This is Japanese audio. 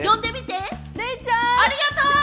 ありがとう！